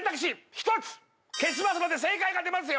１つ消しますので正解が出ますよ